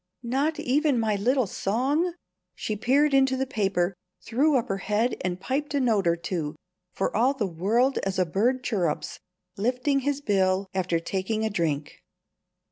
"Not even my little song?" She peered into the paper, threw up her head and piped a note or two, for all the world as a bird chirrups, lifting his bill, after taking a drink.